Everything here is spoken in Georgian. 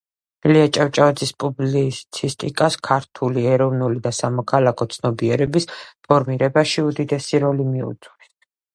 ილია ჭავჭავაძის პუბლიცისტიკას ქართული ეროვნული და სამოქალაქო ცნობიერების ფორმირებაში უდიდესი როლი მიუძღვის.